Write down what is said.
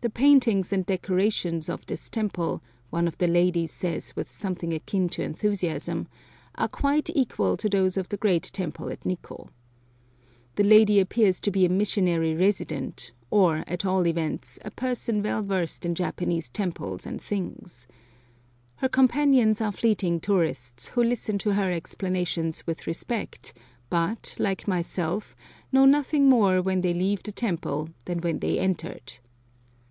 The paintings and decorations of this temple, one of the ladies says with something akin to enthusiasm, are quite equal to those of the great temple at Nikko. This lady appears to be a missionary resident, or, at all events, a person well versed in Japanese temples and things. Her companions are fleeting tourists, who listen to her explanations with respect, but, like myself, know nothing more when they leave the temple than when they entered.